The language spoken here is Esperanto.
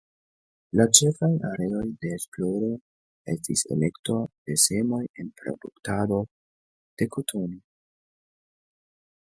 La ĉefaj areoj de esploro estis elekto de semoj en produktado de kotono.